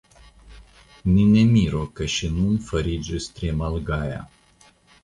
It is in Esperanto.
Ni ne miru ke ŝi nun fariĝis tre malgaja.